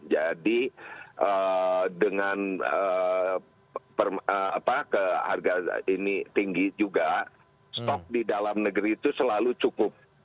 jadi dengan harga ini tinggi juga stok di dalam negeri itu selalu cukup